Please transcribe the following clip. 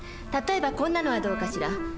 例えばこんなのはどうかしら。